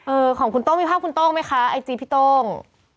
เออของคุณต้องมีภาพคุณต้องไหมคะไอจีพี่ต้อง